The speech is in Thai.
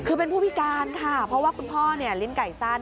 คือเป็นผู้พิการค่ะเพราะว่าคุณพ่อลิ้นไก่สั้น